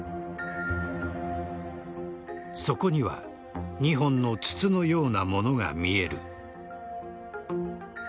そこには２本の筒のようなものが見える。